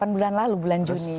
delapan bulan lalu bulan juni